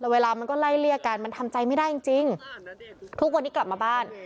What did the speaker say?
เวลามันก็ไล่เลี่ยกันมันทำใจไม่ได้จริงจริงทุกวันนี้กลับมาบ้าน